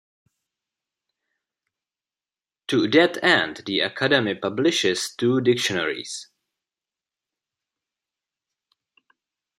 To that end the Academy publishes two dictionaries.